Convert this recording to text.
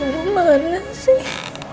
mama mana sih